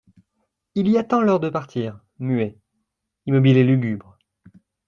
Il y attend l'heure de partir, muet, immobile et lugubre.